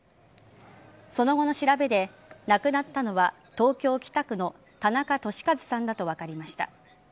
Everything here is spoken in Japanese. その後の調べで、亡くなったのは東京・北区の田中寿和さんだと分かりました。